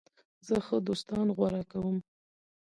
زه ښه دوستان غوره کوم.